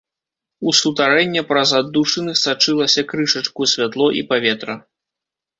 У сутарэнне праз аддушыны сачылася крышачку святло і паветра.